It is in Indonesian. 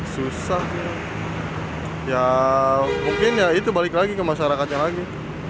susah ya mungkin ya itu balik lagi ke masyarakatnya lagi